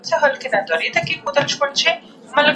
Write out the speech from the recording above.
د سترو پروژو له پاره تل اوږدمهاله تګلاري او فکرونه جوړېږي.